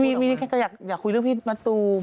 มันมีนะครับแต่เราอยากคุยเรื่องพี่มาตูม